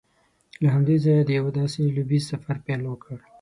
له همدې ځایه یې د یوه داسې لوبیز سفر پیل وکړ